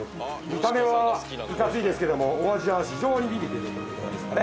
見た目はいかついですけどもお味は非常に美味っていうところじゃないですかね。